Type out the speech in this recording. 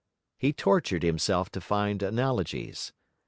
He tortured himself to find analogies.